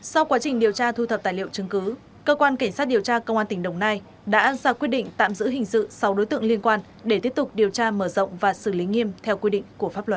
sau quá trình điều tra thu thập tài liệu chứng cứ cơ quan cảnh sát điều tra công an tỉnh đồng nai đã ra quyết định tạm giữ hình sự sáu đối tượng liên quan để tiếp tục điều tra mở rộng và xử lý nghiêm theo quy định của pháp luật